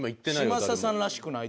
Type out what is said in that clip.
嶋佐さんらしくない。